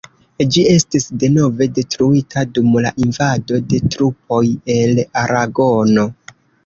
Ĝi estis denove detruita dum la invado de trupoj el aragono.